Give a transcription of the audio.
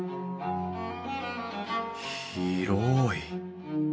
広い！